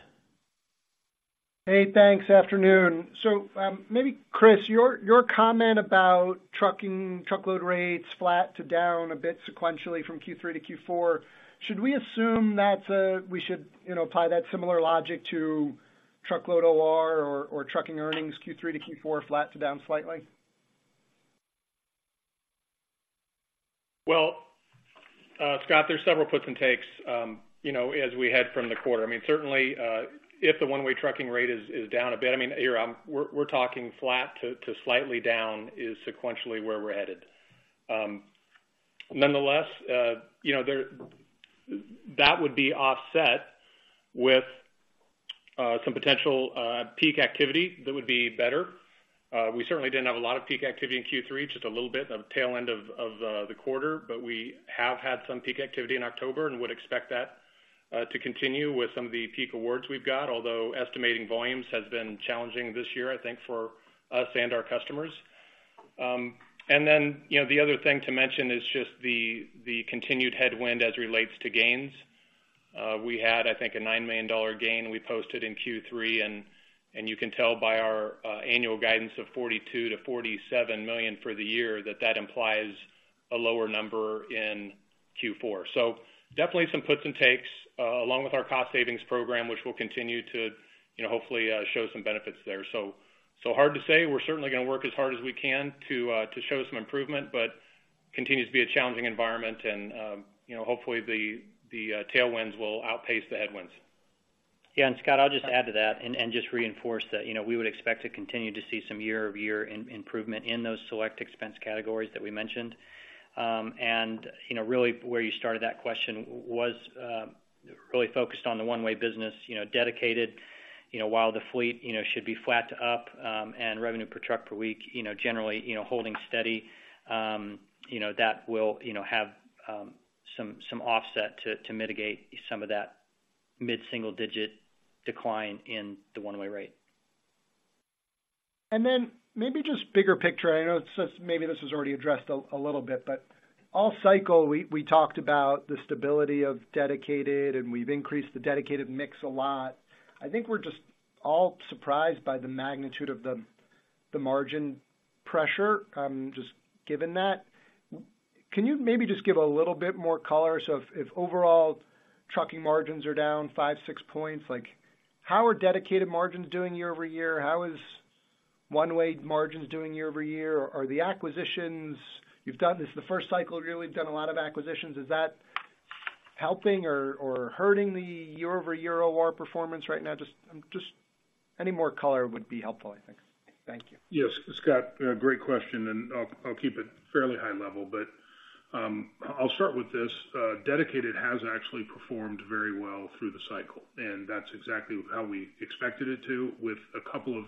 Hey, thanks. Afternoon. So, maybe, Chris, your comment about trucking, truckload rates flat to down a bit sequentially from Q3 to Q4. Should we assume that we should, you know, apply that similar logic to truckload OR or trucking earnings Q3 to Q4, flat to down slightly? Well, Scott, there's several puts and takes, you know, as we head from the quarter. I mean, certainly, if the one-way trucking rate is down a bit, I mean, we're talking flat to slightly down sequentially where we're headed. Nonetheless, you know, that would be offset with some potential peak activity that would be better. We certainly didn't have a lot of peak activity in Q3, just a little bit of tail end of the quarter, but we have had some peak activity in October and would expect that to continue with some of the peak awards we've got, although estimating volumes has been challenging this year, I think, for us and our customers. And then, you know, the other thing to mention is just the continued headwind as relates to gains. We had, I think, a $9 million gain we posted in Q3, and you can tell by our annual guidance of $42 million-$47 million for the year, that that implies a lower number in Q4. So definitely some puts and takes, along with our cost savings program, which will continue to, you know, hopefully show some benefits there. So hard to say. We're certainly going to work as hard as we can to show some improvement, but continues to be a challenging environment, and you know, hopefully the tailwinds will outpace the headwinds. Yeah, and Scott, I'll just add to that and just reinforce that, you know, we would expect to continue to see some year-over-year improvement in those select expense categories that we mentioned. And you know, really, where you started that question was really focused on the one-way business, you know, Dedicated. You know, while the fleet, you know, should be flat to up, and revenue per truck per week, you know, generally, you know, holding steady, you know, that will, you know, have some offset to mitigate some of that mid-single-digit decline in the one-way rate. Then maybe just bigger picture, I know it's just maybe this was already addressed a little bit, but all cycle, we talked about the stability of Dedicated, and we've increased the Dedicated mix a lot. I think we're just all surprised by the magnitude of the margin pressure, just given that. Can you maybe just give a little bit more color? So if overall trucking margins are down 5-6 points, like, how are dedicated margins doing year-over-year? How is one-way margins doing year-over-year? Or the acquisitions you've done, this is the first cycle you've really done a lot of acquisitions. Is that helping or hurting the year-over-year OR performance right now? Just any more color would be helpful, I think. Thank you. Yes, Scott, great question, and I'll keep it fairly high level. But, I'll start with this: Dedicated has actually performed very well through the cycle, and that's exactly how we expected it to, with a couple of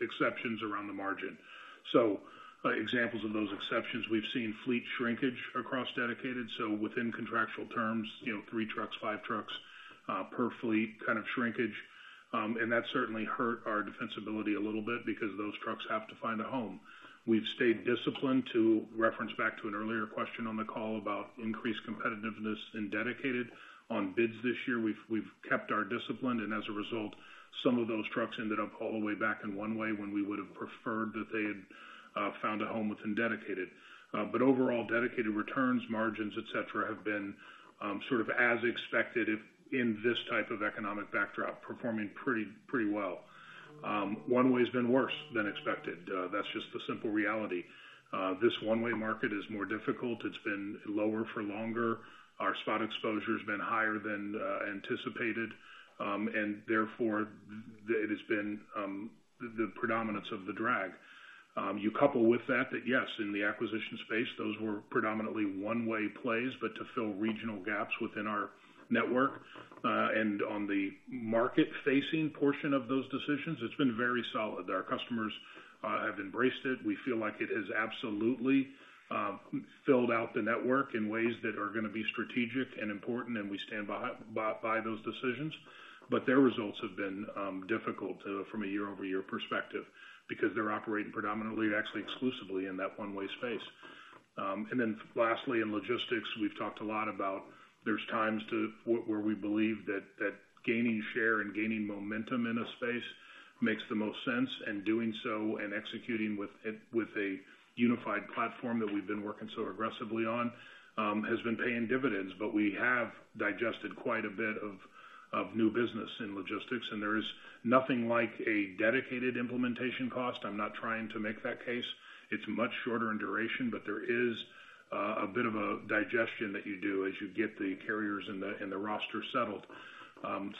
exceptions around the margin. So, examples of those exceptions, we've seen fleet shrinkage across Dedicated, so within contractual terms, you know, three trucks, five trucks per fleet kind of shrinkage. That certainly hurt our defensibility a little bit because those trucks have to find a home. We've stayed disciplined to reference back to an earlier question on the call about increased competitiveness and Dedicated. On bids this year, we've kept our discipline, and as a result, some of those trucks ended up all the way back in One-Way when we would have preferred that they had found a home within Dedicated. But overall, dedicated returns, margins, et cetera, have been sort of as expected in this type of economic backdrop, performing pretty, pretty well. One-Way has been worse than expected. That's just the simple reality. This one-way market is more difficult. It's been lower for longer. Our spot exposure has been higher than anticipated, and therefore, it has been the predominance of the drag. You couple with that, that yes, in the acquisition space, those were predominantly one-way plays, but to fill regional gaps within our network, and on the market-facing portion of those decisions, it's been very solid. Our customers have embraced it. We feel like it has absolutely filled out the network in ways that are going to be strategic and important, and we stand by those decisions. But their results have been difficult from a year-over-year perspective because they're operating predominantly, actually exclusively in that one-way space. And then lastly, in logistics, we've talked a lot about there are times where we believe that gaining share and gaining momentum in a space makes the most sense, and doing so and executing with it, with a unified platform that we've been working so aggressively on, has been paying dividends. But we have digested quite a bit of new business in logistics, and there is nothing like a dedicated implementation cost. I'm not trying to make that case. It's much shorter in duration, but there is a bit of a digestion that you do as you get the carriers and the roster settled.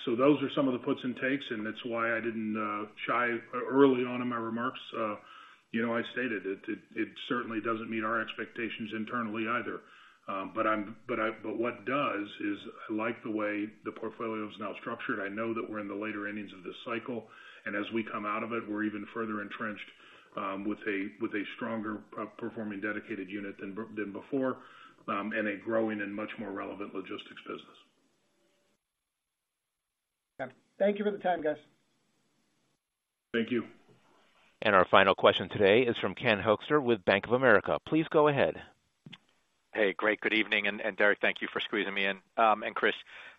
So those are some of the puts and takes, and that's why I didn't shy early on in my remarks. You know, I stated it, it certainly doesn't meet our expectations internally either. But what does is I like the way the portfolio is now structured. I know that we're in the later innings of this cycle, and as we come out of it, we're even further entrenched with a stronger performing dedicated unit than before, and a growing and much more relevant logistics business. Thank you for the time, guys. Thank you. Our final question today is from Ken Hoexter with Bank of America. Please go ahead. Hey, great. Good evening. Derek, thank you for squeezing me in, and Chris.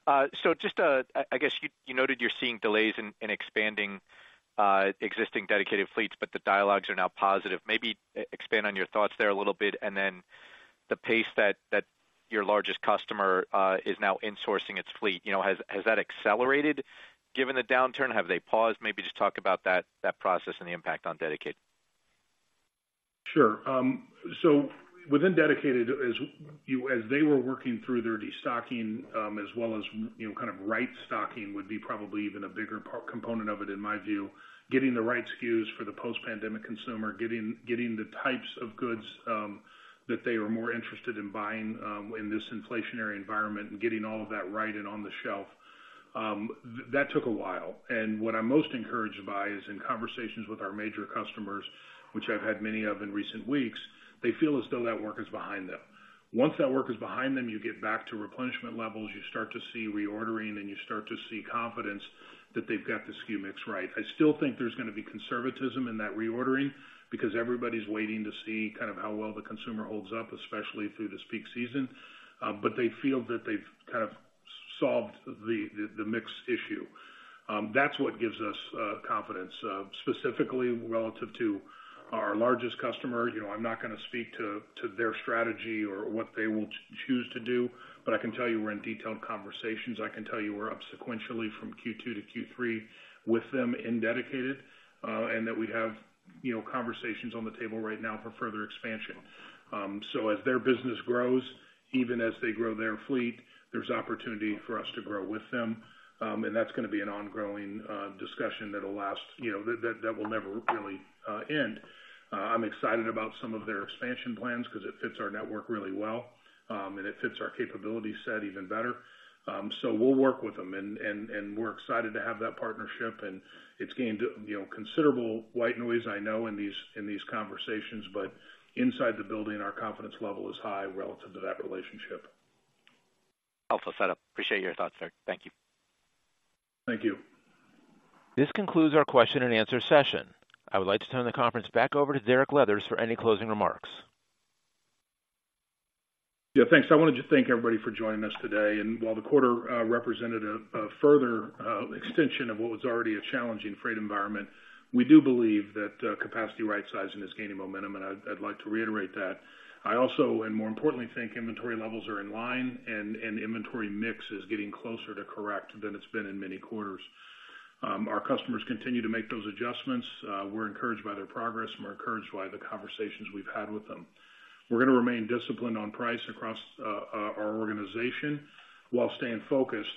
So just, I guess you noted you're seeing delays in expanding existing dedicated fleets, but the dialogues are now positive. Maybe expand on your thoughts there a little bit, and then the pace that your largest customer is now insourcing its fleet. You know, has that accelerated given the downturn? Have they paused? Maybe just talk about that process and the impact on Dedicated. Sure. So within Dedicated, as they were working through their destocking, as well as, you know, kind of right stocking, would be probably even a bigger component of it, in my view, getting the right SKUs for the post-pandemic consumer, getting the types of goods that they are more interested in buying in this inflationary environment, and getting all of that right and on the shelf, that took a while. What I'm most encouraged by is in conversations with our major customers, which I've had many of in recent weeks, they feel as though that work is behind them. Once that work is behind them, you get back to replenishment levels, you start to see reordering, and you start to see confidence that they've got the SKU mix right. I still think there's going to be conservatism in that reordering, because everybody's waiting to see kind of how well the consumer holds up, especially through this peak season. But they feel that they've kind of solved the mix issue. That's what gives us confidence, specifically relative to our largest customer. You know, I'm not going to speak to their strategy or what they will choose to do, but I can tell you we're in detailed conversations. I can tell you we're up sequentially from Q2 to Q3 with them in Dedicated, and that we have, you know, conversations on the table right now for further expansion. So as their business grows, even as they grow their fleet, there's opportunity for us to grow with them. And that's going to be an ongoing discussion that will last, you know, that will never really end. I'm excited about some of their expansion plans because it fits our network really well, and it fits our capability set even better. So we'll work with them, and we're excited to have that partnership, and it's gained, you know, considerable white noise I know, in these conversations, but inside the building, our confidence level is high relative to that relationship. Helpful setup. Appreciate your thoughts, sir. Thank you. Thank you. This concludes our question and answer session. I would like to turn the conference back over to Derek Leathers for any closing remarks. Yeah, thanks. I wanted to thank everybody for joining us today, and while the quarter represented a further extension of what was already a challenging freight environment, we do believe that capacity right-sizing is gaining momentum, and I'd like to reiterate that. I also, and more importantly, think inventory levels are in line and inventory mix is getting closer to correct than it's been in many quarters. Our customers continue to make those adjustments. We're encouraged by their progress, and we're encouraged by the conversations we've had with them. We're going to remain disciplined on price across our organization, while staying focused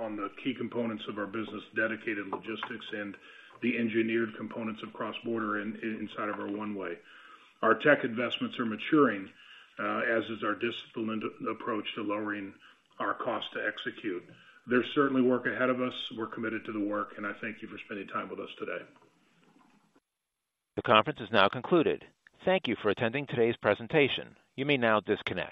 on the key components of our business, dedicated logistics and the engineered components of cross-border inside of our One Way. Our tech investments are maturing, as is our disciplined approach to lowering our cost to execute. There's certainly work ahead of us. We're committed to the work, and I thank you for spending time with us today. The conference is now concluded. Thank you for attending today's presentation. You may now disconnect.